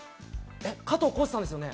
加藤浩次さんですよね？